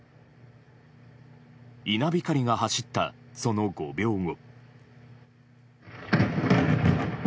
稲光が走った、その５秒後。